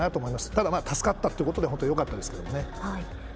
ただ、助かったということで本当によかったですけれどね。